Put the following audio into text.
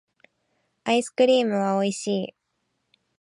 アイスクリームはおいしい